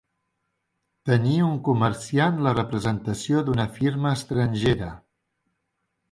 Tenir un comerciant la representació d'una firma estrangera.